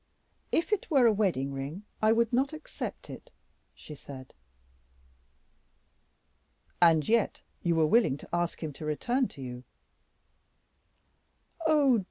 "If it were a wedding ring, I would not accept it," she said. "And yet you were willing to ask him to return to you." "Oh!